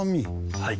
はい。